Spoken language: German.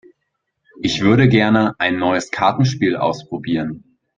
Ich würde gerne ein neues Kartenspiel ausprobieren.